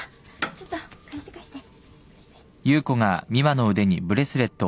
ちょっと貸して貸して。